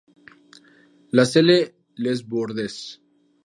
La Celle-les-Bordes